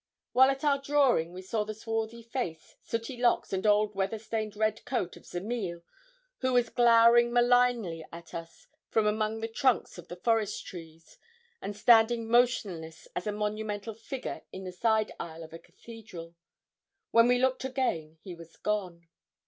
While at our drawing, we saw the swarthy face, sooty locks, and old weather stained red coat of Zamiel, who was glowering malignly at us from among the trunks of the forest trees, and standing motionless as a monumental figure in the side aisle of a cathedral. When we looked again he was gone.